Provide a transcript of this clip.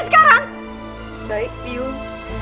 sekarang baik biyung